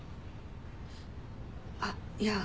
あっいや